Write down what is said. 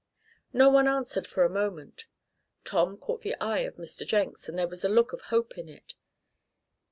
No one answered for a moment. Tom caught the eye of Mr. Jenks, and there was a look of hope in it.